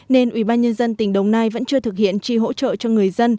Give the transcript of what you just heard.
nên ủy ban nhân dân tỉnh đồng nai vẫn chưa thực hiện tri hỗ trợ cho người dân